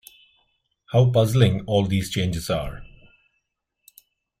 How puzzling all these changes are!